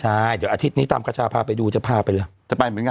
ใช่เดี๋ยวอาทิตย์นี้ตามกระชาพาไปดูจะพาไปแล้ว